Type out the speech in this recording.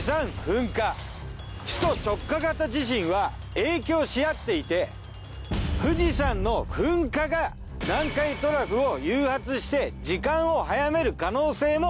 影響し合っていて富士山の噴火が南海トラフを誘発して時間を早める可能性もあるの。